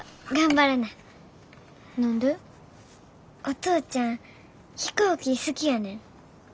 お父ちゃん飛行機好きやねん。